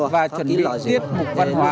và chuẩn bị tiết mục văn hóa